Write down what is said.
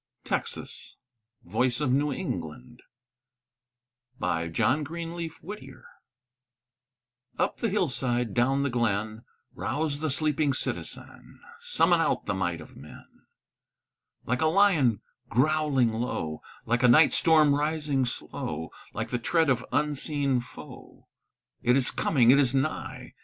TEXAS VOICE OF NEW ENGLAND Up the hillside, down the glen, Rouse the sleeping citizen; Summon out the might of men! Like a lion growling low, Like a night storm rising slow, Like the tread of unseen foe; It is coming, it is nigh!